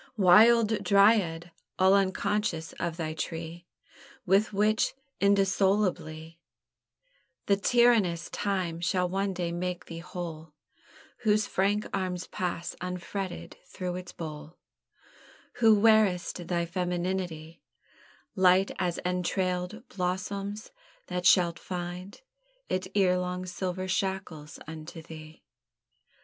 Wild Dryad! all unconscious of thy tree, With which indissolubly The tyrannous time shall one day make thee whole; Whose frank arms pass unfretted through its bole: Who wear'st thy femineity Light as entrailèd blossoms, that shalt find It erelong silver shackles unto thee.